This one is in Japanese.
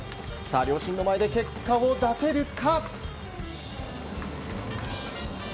両親の前で結果を出せるか。